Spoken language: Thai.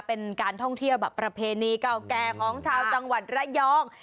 เป็นการท่องเที่ยวแบบประเพณีเก่าแก่ของชาวจังหวัดระยอง